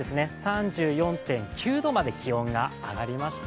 ３４．９度まで気温が上がりました。